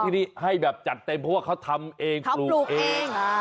ที่นี่ให้แบบจัดเต็มเพราะว่าเขาทำเองปลูกเอง